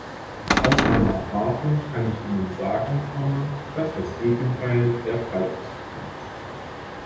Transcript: Aus meiner Erfahrung kann ich Ihnen sagen, dass das Gegenteil der Fall ist.